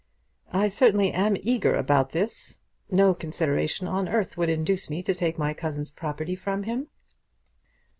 "I certainly am eager about this. No consideration on earth would induce me to take my cousin's property from him."